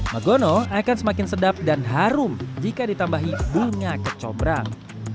magono akan semakin sedap dan harum jika ditambahi bunga kecobrang